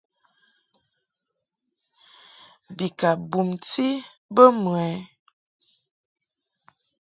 Bi ka bumti bə mɨ ɛ ?